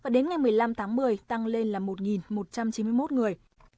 đến ngày một mươi năm tháng một mươi tăng lên là một một trăm chín mươi một người